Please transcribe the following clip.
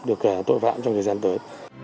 được tội phạm trong thời gian tới